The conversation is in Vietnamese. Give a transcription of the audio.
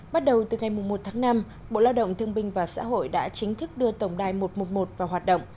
bắt đầu từ ngày một tháng năm bộ lao động thương binh và xã hội đã chính thức đưa tổng đài một trăm một mươi một vào hoạt động